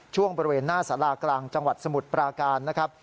ช่วงบริเวณหน้าสารากลางจังหวัดสมุทรปราการนะครับ